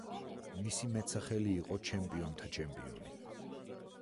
მისი მეტსახელი იყო „ჩემპიონთა ჩემპიონი“.